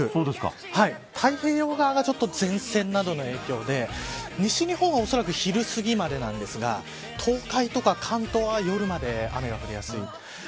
太平洋側が前線などの影響で西日本はおそらく昼すぎまでなんですが東海や関東は夜まで雨が降りやすい。